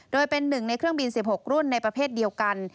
โดยเป็นหนึ่งในเครื่องบิน๑๖รุ่นในประเภทเดียวกัน